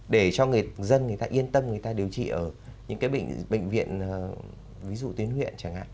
để cho người dân người ta yên tâm người ta điều trị ở những cái bệnh viện ví dụ tuyến huyện chẳng hạn